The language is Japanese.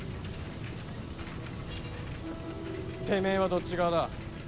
てめえはどっち側だ？